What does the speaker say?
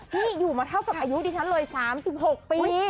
อยู่มาเท่ากับอายุดิฉันเลย๓๖ปี